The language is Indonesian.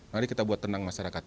mari kita buat tenang masyarakat